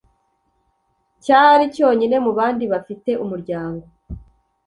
cyari!cyonyine mu bandi bafite umulyango